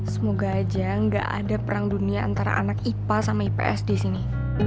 semoga aja gak ada perang dunia antara anak ipa sama ips di sini